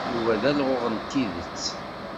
Yuba d alɣuɣ n tidet.